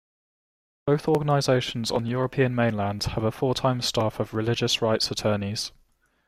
Both organizations on the European mainland have a full-time staff of religious rights attorneys.